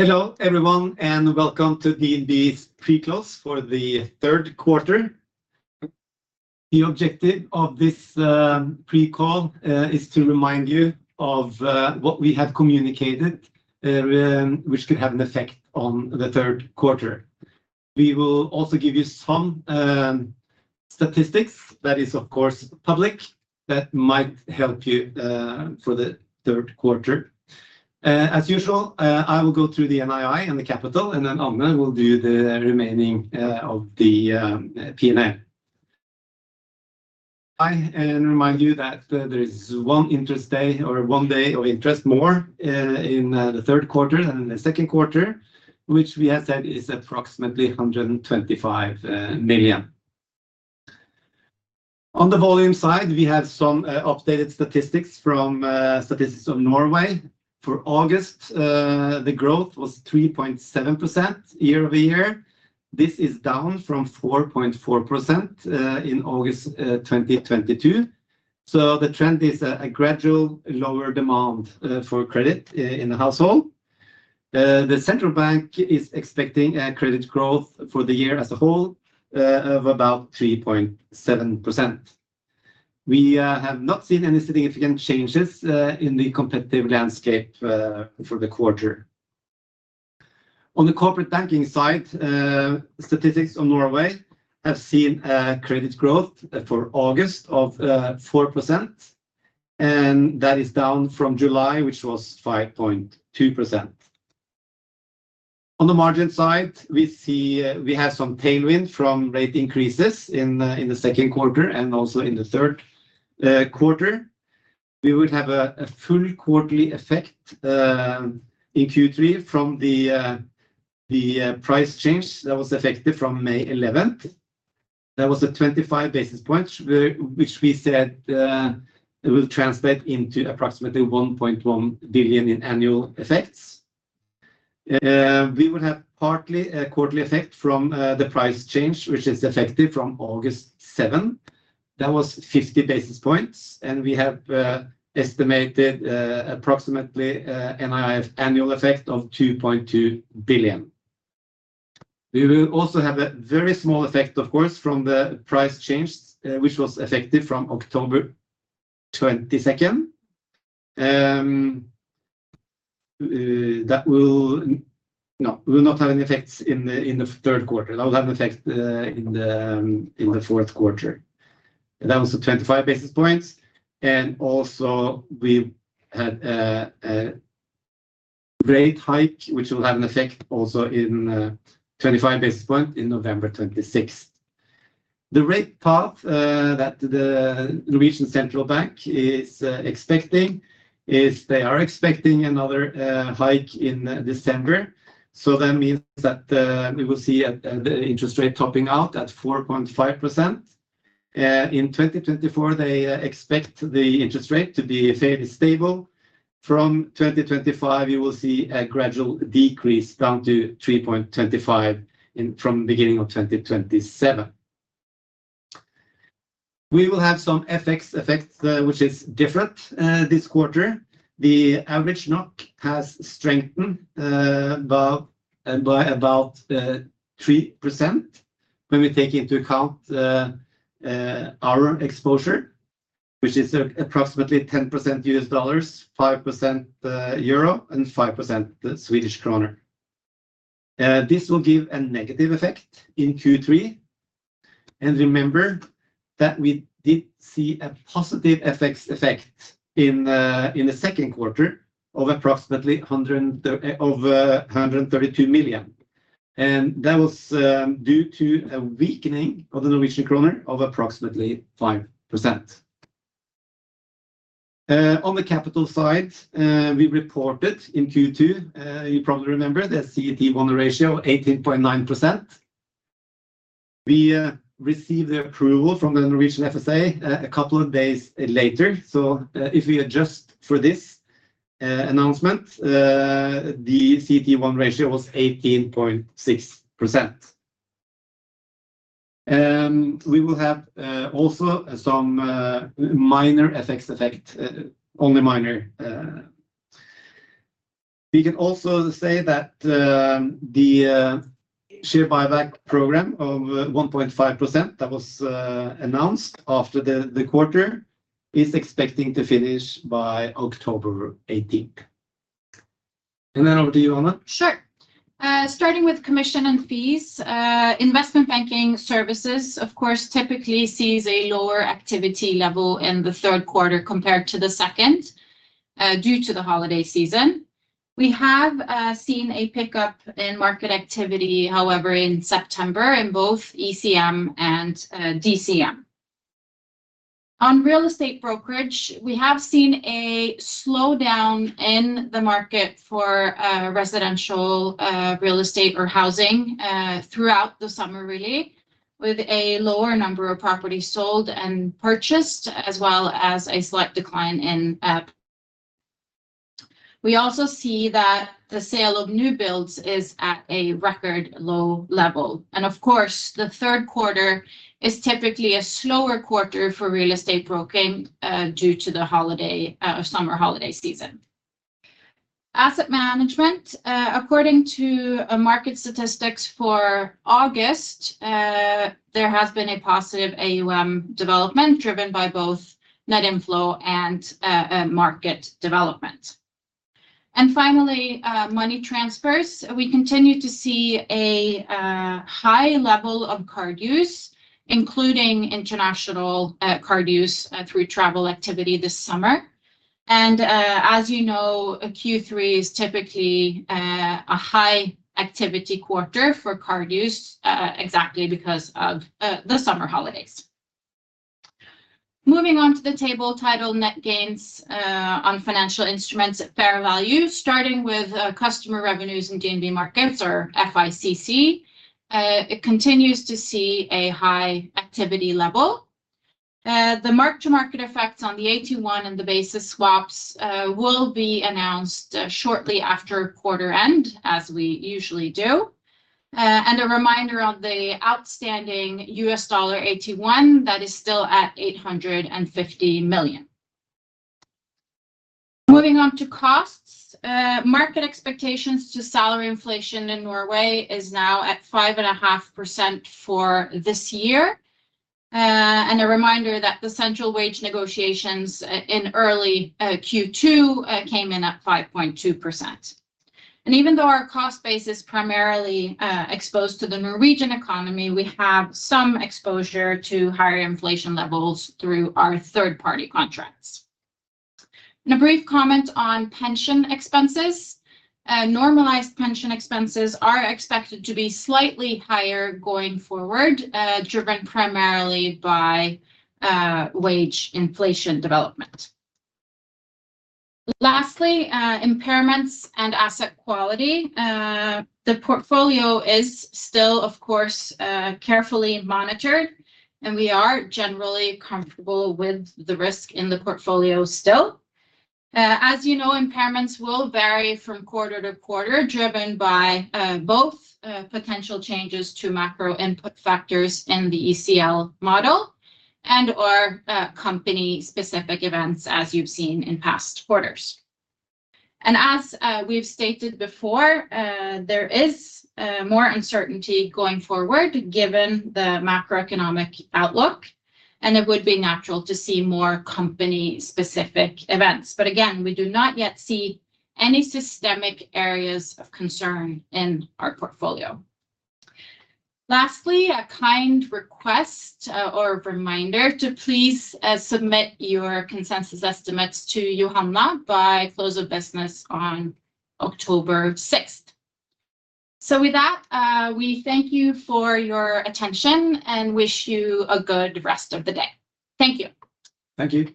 Hello, everyone, and welcome to DNB's pre-close for the third quarter. The objective of this pre-call is to remind you of what we have communicated, which could have an effect on the third quarter. We will also give you some statistics, that is, of course, public, that might help you for the third quarter. As usual, I will go through the NII and the capital, and then Agne will do the remaining of the P&L. I remind you that there is one interest day or one day of interest more in the third quarter than in the second quarter, which we have said is approximately 125 million. On the volume side, we have some updated statistics from Statistics Norway. For August, the growth was 3.7% year-over-year. This is down from 4.4% in August 2022. So the trend is a gradual lower demand for credit in the household. The central bank is expecting a credit growth for the year as a whole of about 3.7%. We have not seen any significant changes in the competitive landscape for the quarter. On the corporate banking side, Statistics Norway have seen a credit growth for August of 4%, and that is down from July, which was 5.2%. On the margin side, we see we have some tailwind from rate increases in the second quarter and also in the third quarter. We will have a full quarterly effect in Q3 from the price change that was effective from May 11th. That was 25 basis points, which we said will rranslate into approximately 1.1 billion in annual effects. We will have partly a quarterly effect from the price change, which is effective from August 7. That was 50 basis points, and we have estimated approximately NII annual effect of 2.2 billion. We will also have a very small effect, of course, from the price change, which was effective from October 22nd. That will not have any effects in the third quarter. That will have an effect in the fourth quarter. That was the 25 basis points, and also we had a rate hike, which will have an effect also in 25 basis points in November 26th. The rate path that the Norwegian Central Bank is expecting is they are expecting another hike in December. So that means that we will see the interest rate topping out at 4.5%. In 2024, they expect the interest rate to be fairly stable. From 2025, you will see a gradual decrease down to 3.25% from beginning of 2027. We will have some FX effects, which is different this quarter. The average NOK has strengthened by about 3% when we take into account our exposure, which is approximately 10% US dollars, 5% Euro, and 5% the Swedish krona. This will give a negative effect in Q3. Remember that we did see a positive FX effect in the second quarter of approximately 132 million, and that was due to a weakening of the Norwegian krona of approximately 5%. On the capital side, we reported in Q2, you probably remember, the CET1 ratio 18.9%. We received the approval from the Norwegian FSA a couple of days later. So, if we adjust for this announcement, the CET1 ratio was 18.6%. We will have also some minor FX effect, only minor. We can also say that the share buyback program of 1.5% that was announced after the quarter is expecting to finish by October 18th. And then over to you, Agne. Sure. Starting with commission and fees, investment banking services, of course, typically sees a lower activity level in the third quarter compared to the second, due to the holiday season. We have seen a pickup in market activity, however, in September, in both ECM and DCM. On real estate brokerage, we have seen a slowdown in the market for residential real estate or housing throughout the summer, really, with a lower number of properties sold and purchased, as well as a slight decline in average prices. We also see that the sale of new builds is at a record low level, and of course, the third quarter is typically a slower quarter for real estate broking, due to the holiday summer holiday season. Asset management. According to market statistics for August, there has been a positive AUM development, driven by both net inflow and market development. And finally, money transfers. We continue to see a high level of card use, including international card use through travel activity this summer. And, as you know, Q3 is typically a high activity quarter for card use exactly because of the summer holidays. Moving on to the table titled Net Gains on Financial Instruments at Fair Value, starting with customer revenues in DNB Markets or FICC. It continues to see a high activity level. The mark-to-market effects on the AT1 and the basis swaps will be announced shortly after quarter end, as we usually do. And a reminder on the outstanding US dollar AT1, that is still at $850 million. Moving on to costs. Market expectations to salary inflation in Norway is now at 5.5% for this year. A reminder that the central wage negotiations in early Q2 came in at 5.2%. Even though our cost base is primarily exposed to the Norwegian economy, we have some exposure to higher inflation levels through our third-party contracts. A brief comment on pension expenses. Normalized pension expenses are expected to be slightly higher going forward, driven primarily by wage inflation development. Lastly, impairments and asset quality. The portfolio is still, of course, carefully monitored, and we are generally comfortable with the risk in the portfolio still. As you know, impairments will vary from quarter-to-quarter, driven by both potential changes to macro input factors in the ECL model and/or company-specific events, as you've seen in past quarters. And as we've stated before, there is more uncertainty going forward, given the macroeconomic outlook, and it would be natural to see more company-specific events. But again, we do not yet see any systemic areas of concern in our portfolio. Lastly, a kind request or reminder to please submit your consensus estimates to Johanna by close of business on October 6th. So with that, we thank you for your attention and wish you a good rest of the day. Thank you. Thank you.